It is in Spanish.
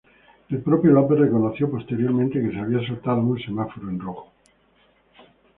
El propio López reconoció posteriormente que se había saltado un semáforo en rojo.